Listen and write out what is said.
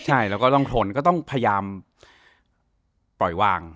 ใช่แล้วก็ต้องทนก็ต้องพยายามปล่อยวาง